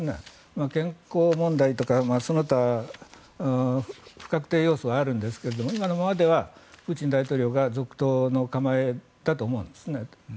健康問題とか、その他不確定要素はあるんですが今のままではプーチン大統領が続投の構えだと思うんですね。